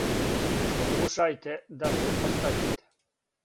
Покушајте да претпоставите.